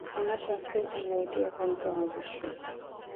আমার স্বাস্থ্যের জন্য এটি একান্ত আবশ্যক।